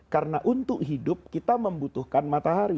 karena untuk hidup kita membutuhkan matahari